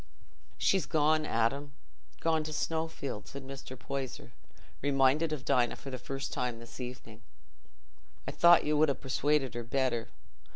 "She's gone, Adam—gone to Snowfield," said Mr. Poyser, reminded of Dinah for the first time this evening. "I thought you'd ha' persuaded her better.